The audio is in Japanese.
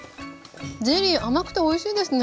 ゼリー甘くておいしいですね。